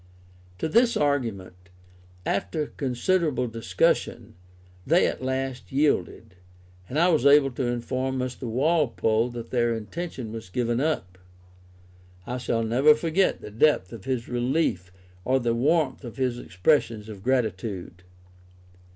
To this argument, after considerable discussion, they at last yielded: and I was able to inform Mr. Walpole that their intention was given up. I shall never forget the depth of his relief or the warmth of his expressions of gratitude.